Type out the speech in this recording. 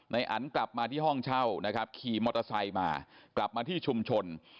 อันกลับมาที่ห้องเช่านะครับขี่มอเตอร์ไซค์มากลับมาที่ชุมชน